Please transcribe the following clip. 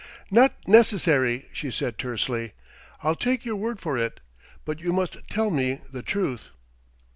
"Not necessary," she said tersely. "I'll take your word for it.... But you must tell me the truth."